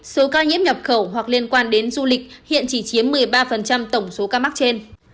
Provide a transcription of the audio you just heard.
số ca nhiễm nhập khẩu hoặc liên quan đến du lịch hiện chỉ chiếm một mươi ba tổng số ca mắc trên